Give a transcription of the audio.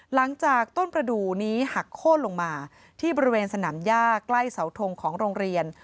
หลังจากต้นประดูกนี้หักโค้นลงมาที่บริเวณสนามย่าใกล้เสาทงของโรงเรียน